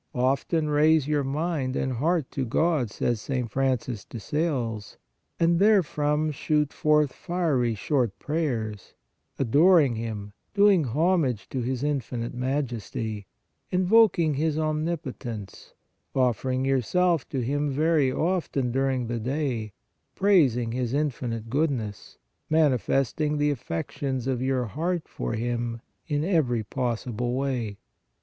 " Often raise your mind and heart to God," says St. Francis de Sales, " and therefrom shoot forth fiery short prayers, adoring Him, doing homage to His infinite Majesty, invoking His om nipotence, offering yourself to Him very often dur WHEN TO PRAY 135 ing the day, praising His infinite Goodness, mani festing the affections of your heart for Him in every possible way.